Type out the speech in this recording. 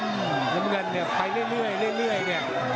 แล้วเมื่อกันเนี่ยไปเรื่อยเรื่อยเนี่ย